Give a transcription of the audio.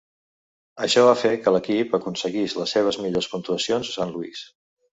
Això va fer que l'equip aconseguís les seves millors puntuacions a Sant Louis.